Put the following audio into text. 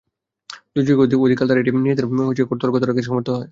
দুই যুগের অধিককাল ধরে তারা এটি নিজেদের করতলগত রাখতে সমর্থ হয়।